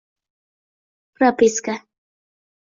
propiska.